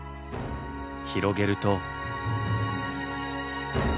広げると。